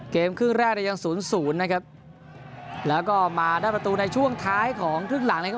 ครึ่งแรกยังศูนย์ศูนย์นะครับแล้วก็มาได้ประตูในช่วงท้ายของครึ่งหลังนะครับ